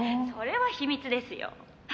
「それは秘密ですよ」